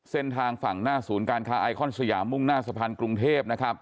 เส้นทางฝั่งหน้าศูนย์การค้าไอคอนสยามมุ่งหน้าสะพานกรุงเทพนะครับ